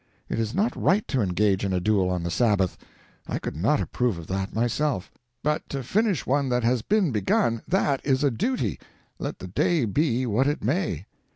It is not right to engage in a duel on the Sabbath I could not approve of that myself; but to finish one that has been begun that is a duty, let the day be what it may."